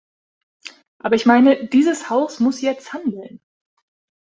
Aber ich meine, dieses Haus muss jetzt handeln.